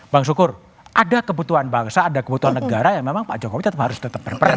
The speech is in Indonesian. bang syukur ada kebutuhan bangsa ada kebutuhan negara yang memang pak jokowi tetap harus tetap berperan